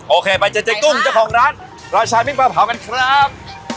โอเคไปเจอเจ๊กุ้งเจ้าของร้านราชามิ่งปลาเผากันครับ